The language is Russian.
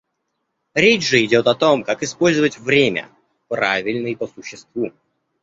Речь же идет о том, как использовать время — правильно и по существу.